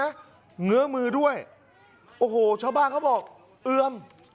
เหงือมือด้วยโอ้โหชาวบ้านเขาบอกเอือม